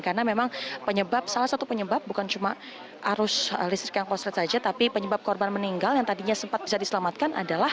karena memang salah satu penyebab bukan cuma arus listrik yang korslet saja tapi penyebab korban meninggal yang tadinya sempat bisa diselamatkan adalah